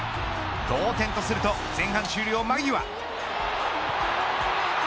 同点とすると前半終了間際。